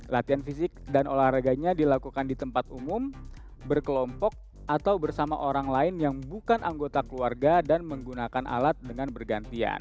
latihan fisik dan olahraganya dilakukan di tempat umum berkelompok atau bersama orang lain yang bukan anggota keluarga dan menggunakan alat dengan bergantian